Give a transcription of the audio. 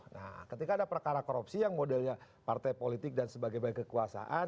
nah ketika ada perkara korupsi yang modelnya partai politik dan sebagai kekuasaan